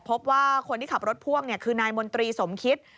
พบว่าคนที่ขับรถพ่วงคือนายมนตรีสมคิต